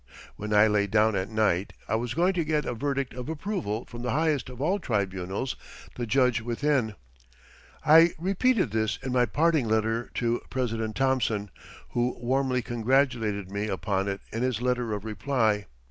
When I lay down at night I was going to get a verdict of approval from the highest of all tribunals, the judge within. I repeated this in my parting letter to President Thomson, who warmly congratulated me upon it in his letter of reply.